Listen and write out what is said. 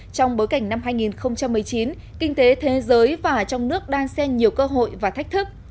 trong bối cảnh năm hai nghìn một mươi chín kinh tế thế giới và trong nước đang xem nhiều cơ hội và thách thức